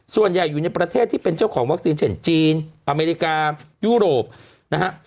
ส่วนใหญ่อยู่ในประเทศที่เป็นเจ้าของวัคซีนเช่นจีนอเมริกายุโรปนะฮะ